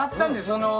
その。